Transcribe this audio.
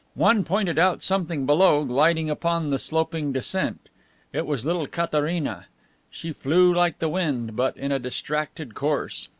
One pointed out something below gliding upon the sloping descent. It was little Katharina. She flew like the wind, but in a distracted course.